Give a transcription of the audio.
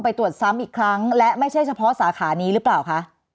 ไปตรวจซ้ำอีกครั้งและไม่ใช่เฉพาะสาขานี้หรือเปล่าคะ